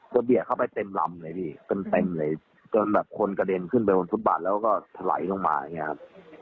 เบียดเข้าไปเต็มลำเลยพี่เต็มเต็มเลยจนแบบคนกระเด็นขึ้นไปบนฟุตบาทแล้วก็ถลายลงมาอย่างเงี้ครับ